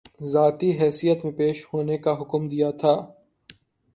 ذاتی حیثیت میں پیش ہونے کا حکم دیا تھا